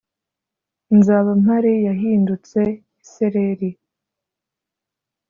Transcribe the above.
Nzaba mpari yahindutse isereri